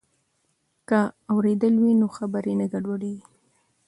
که اورېدل وي نو خبرې نه ګډوډیږي.